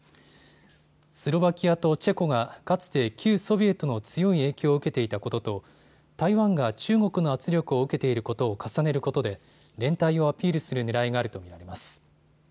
スロバキアとチェコがかつて旧ソビエトの強い影響を受けていたことと台湾が中国の圧力を受けていることを重ねることで連帯をアピールするねらいがあると見られます。